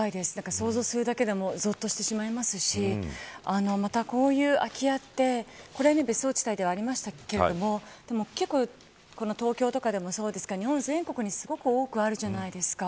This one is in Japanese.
想像するだけでもぞっとしてしまいますしまた、こういう空き家って別荘地帯ではありましたけれどもでも結構東京とかでもそうですが日本全国にすごく多くあるじゃないですか。